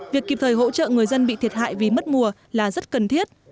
việc kịp thời hỗ trợ người dân bị thiệt hại vì mất mùa là rất cần thiết